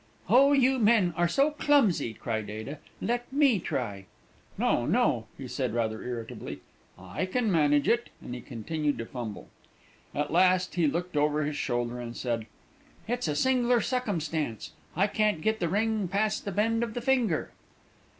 "Oh, you men are so clumsy!" cried Ada. "Let me try." "No, no!" he said, rather irritably; "I can manage it," and he continued to fumble. At last he looked over his shoulder and said, "It's a singler succumstance, but I can't get the ring past the bend of the finger."